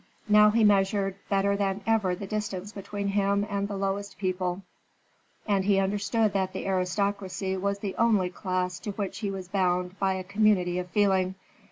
Now he measured better than ever the distance between him and the lowest people, and he understood that the aristocracy was the only class to which he was bound by a community of feeling.